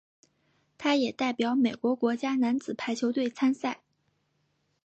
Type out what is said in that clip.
他也代表美国国家男子排球队参赛。